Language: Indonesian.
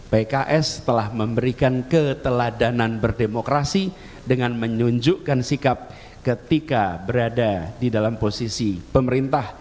pks telah memberikan keteladanan berdemokrasi dengan menunjukkan sikap ketika berada di dalam posisi pemerintah